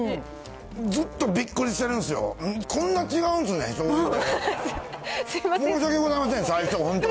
ずっとびっくりしてるんですよ、こんな違うんですね、醤油で。